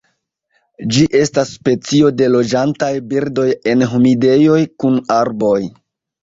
Ĝi estas specio de loĝantaj birdoj en humidejoj kun arboj.